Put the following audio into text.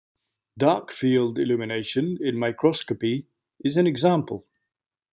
Dark-field illumination in microscopy is an example.